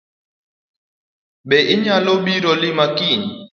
Be inyalobiro lima kiny?